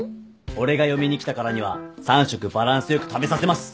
俺が嫁に来たからには３食バランス良く食べさせます。